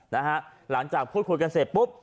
หลังจากพูดคุยกันเสร็จปุ๊บ